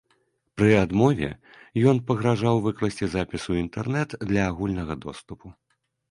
Пры адмове ён пагражаў выкласці запіс у інтэрнэт для агульнага доступу.